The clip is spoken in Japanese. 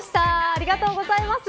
ありがとうございます。